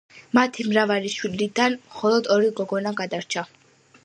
მათი მრავალი შვილიდან მხოლოდ ორი გოგონა გადარჩა.